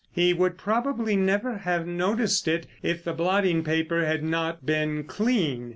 He would probably never have noticed it if the blotting paper had not been clean.